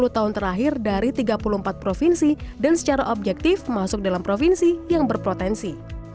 sepuluh tahun terakhir dari tiga puluh empat provinsi dan secara objektif masuk dalam provinsi yang berpotensi